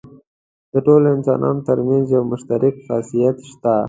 د ټولو انسانانو تر منځ یو مشترک خاصیت شته.